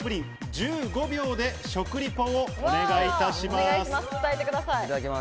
１５秒で食リポお願いいたします。